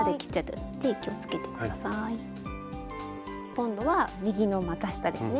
今度は右のまた下ですね。